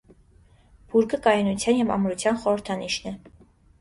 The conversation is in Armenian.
Բուրգը կայունության ու ամրության խորհրդանիշն է։